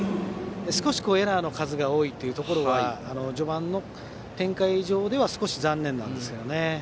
少しエラーの数が多いというところは序盤の展開上では少し残念でした。